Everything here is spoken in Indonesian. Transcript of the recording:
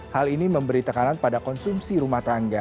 hal ini memberi tekanan pada konsumsi rumah tangga